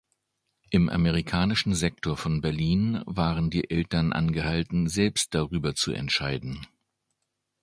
Im amerikanischen Sektor von Berlin waren die Eltern angehalten, selbst darüber zu entscheiden.